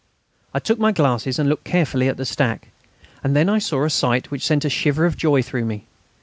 I took my glasses and looked carefully at the stack. And then I saw a sight which sent a shiver of joy through me.